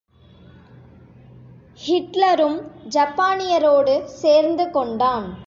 ஹிட்லரும் ஜப்பானியரோடு சேர்ந்துகொண்டான்.